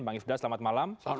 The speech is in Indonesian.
bang ifdal selamat malam